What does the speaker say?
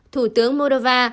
thủ tướng moldova